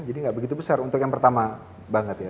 jadi gak begitu besar untuk yang pertama banget ya